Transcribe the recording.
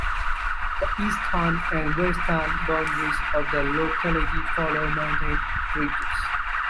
The eastern and western boundaries of the locality follow mountain ridges.